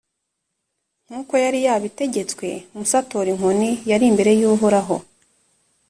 nk’uko yari yabitegetswe, musa atora inkoni yari imbere y’uhoraho.